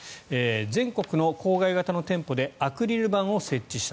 全国の郊外型の店舗でアクリル板を設置した。